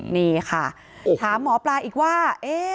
นี่ค่ะถามหมอปลาอีกหนึ่งนะคะ